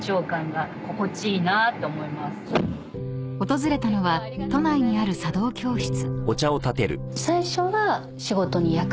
［訪れたのは都内にある茶道教室］